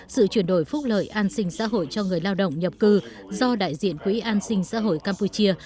sự chuyển đổi phúc lợi an sinh xã hội cho người lao động nhập cư do đại diện quỹ an sinh xã hội campuchia